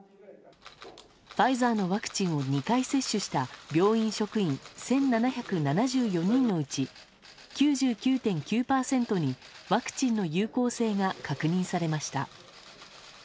ファイザーのワクチンを２回接種した病院職員１７７４人のうち９９．９％にワクチンの有効性が確認されました。